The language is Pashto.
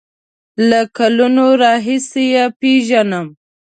له کلونو راهیسې پیژنم.